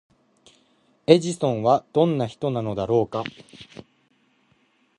エジソンはどんな人なのだろうか？